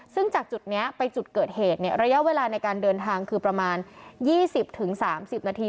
ซึ่งจากจุดนี้ไปจุดเกิดเหตุเนี่ยระยะเวลาในการเดินทางคือประมาณ๒๐๓๐นาที